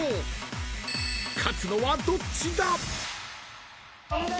［勝つのはどっちだ！？］